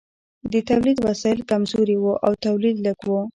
د تولید وسایل کمزوري وو او تولید لږ و.